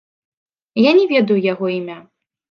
Я не ведаю яго імя.